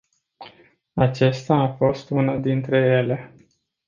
Aceasta a fost una dintre ele.